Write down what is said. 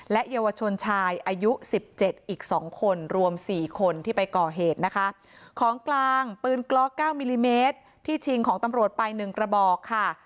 เยาวชนชายอายุสิบเจ็ดอีกสองคนรวมสี่คนที่ไปก่อเหตุนะคะของกลางปืนกล็อกเก้ามิลลิเมตรที่ชิงของตำรวจไปหนึ่งกระบอกค่ะ